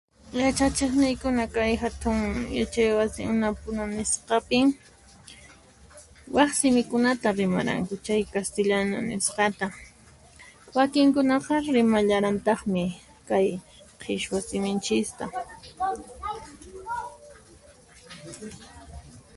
yachachiqniykuna kay hatun um yachay wasi UNA Puno nisqapin, waq simikunata rimaranku chay castillanu nisqata. wakinkunaqa rimarallantaqmi kay qhichwa siminchista.